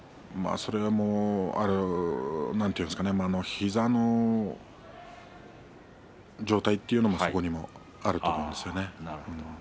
それは膝の状態というのもそこにあると思います。